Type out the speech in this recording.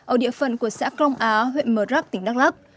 ở địa phận của xã crong á huyện mợt rắc tỉnh đắk lắk